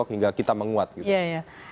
hingga kita menguat gitu